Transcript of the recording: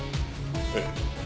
ええ。